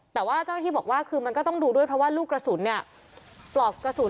แต่ว่าเจ้าหน้าที่บอกว่าคือมันก็ต้องดูด้วยเพราะว่าลูกกระสุนเนี่ยปลอกกระสุน